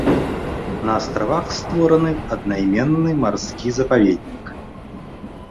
На астравах створаны аднайменны марскі запаведнік.